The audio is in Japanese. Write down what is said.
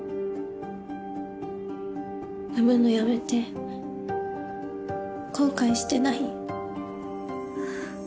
産むのやめて後悔してない？